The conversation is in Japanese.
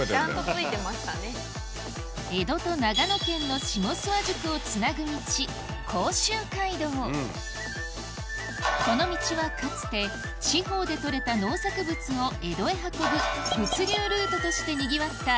江戸と長野県の下諏訪宿をつなぐ道この道はかつて地方で取れた農作物を江戸へ運ぶ物流ルートとしてにぎわった